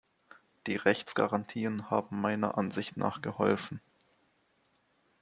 Die Rechtsgarantien haben meiner Ansicht nach geholfen.